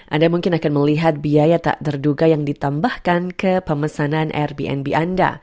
anda mungkin akan melihat biaya tak terduga yang ditambahkan ke pemesanan airbnb anda